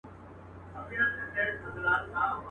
خوله یې وازه کړه آواز ته سمدلاسه.